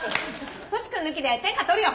トシ君抜きで天下取るよ。